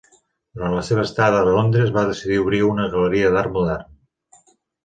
Durant la seva estada a Londres va decidir obrir una galeria d'art modern.